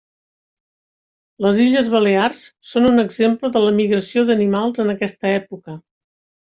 Les Illes Balears són un exemple de la migració d'animals en aquesta època.